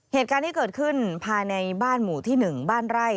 เหตุการณ์ที่เกิดขึ้นภายในบ้านหมู่ที่๑บ้านไร่